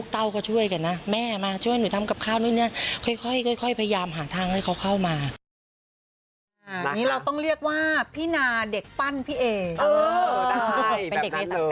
เป็นเด็กมีสันกัด